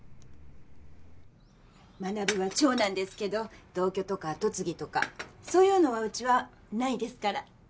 学は長男ですけど同居とか跡継ぎとかそういうのはうちはないですから。